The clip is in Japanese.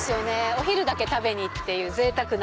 お昼だけ食べにっていうぜいたくな。